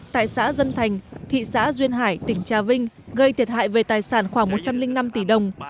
tại xã dân thành thị xã duyên hải tỉnh trà vinh gây thiệt hại về tài sản khoảng một trăm linh năm tỷ đồng